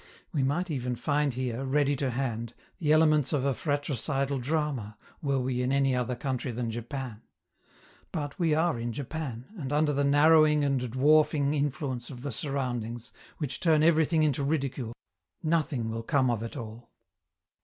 We might even find here, ready to hand, the elements of a fratricidal drama, were we in any other country than Japan; but we are in Japan, and under the narrowing and dwarfing influence of the surroundings, which turn everything into ridicule, nothing will come of it all.